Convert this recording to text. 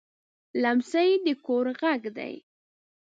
لمسی د کور غږ دی.